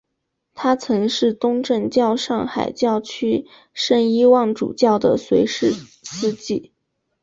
他曾是东正教上海教区圣伊望主教的随侍司祭。